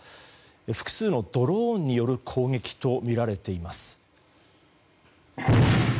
複数のドローンによる攻撃とみられています。